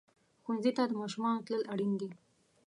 ښوونځي ته د ماشومانو تلل اړین دي.